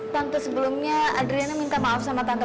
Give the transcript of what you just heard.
tante sebelumnya adriana minta maaf sama tante